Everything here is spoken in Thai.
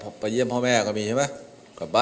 เครื่องการาบ